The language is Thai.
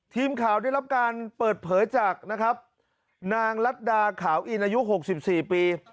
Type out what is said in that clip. ทีมข่าวได้รับการเปิดเผยจากนะครับนางรัฐดาขาวอินอายุ๖๔ปี